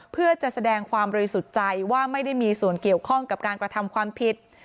เพื่อจะแสดงความบริสุทธิ์ใจว่าไม่ได้มีส่วนเกี่ยวข้องกับการกระทำความผิด